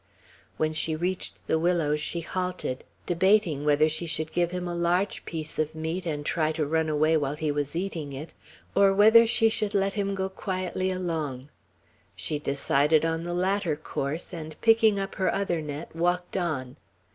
When she reached the willows, she halted, debating whether she should give him a large piece of meat, and try to run away while he was eating it, or whether she should let him go quietly along. She decided on the latter course; and, picking up her other net, walked on.